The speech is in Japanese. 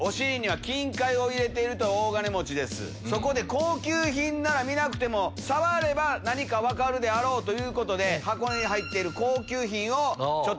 そこで高級品なら見なくても触れば何か分かるであろうということで。